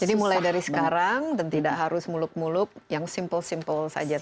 jadi mulai dari sekarang dan tidak harus muluk muluk yang simple simple saja